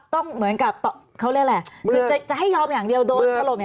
ต้องเหมือนกับเขาเรียกแหละคือจะให้ยอมอย่างเดียวโดนถล่มอย่างเดียวนะคะ